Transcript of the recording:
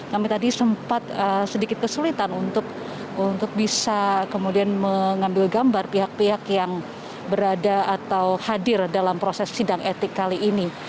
kami tadi sempat sedikit kesulitan untuk bisa kemudian mengambil gambar pihak pihak yang berada atau hadir dalam proses sidang etik kali ini